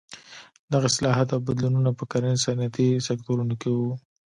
دغه اصلاحات او بدلونونه په کرنیز او صنعتي سکتورونو کې وو.